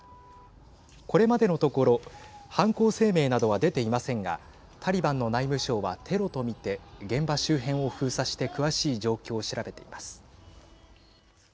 これまでのところ犯行声明などは出ていませんがタリバンの内務省はテロと見て現場周辺を封鎖して詳しい状況を調べています。